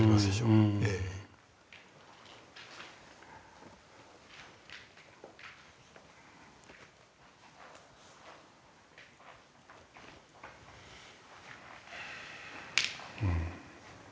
うん。